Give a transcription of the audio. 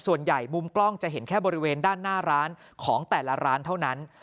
ส่วนใหญ่มุมกล้องจะเห็นแค่บริเวณด้านหน้าร้านของแต่ละร้านเท่านั้น